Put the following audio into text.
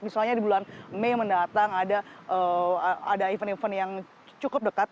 misalnya di bulan mei mendatang ada event event yang cukup dekat